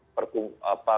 apa kerumunan ya